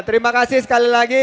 terima kasih sekali lagi